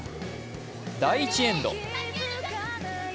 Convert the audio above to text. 第１エンド。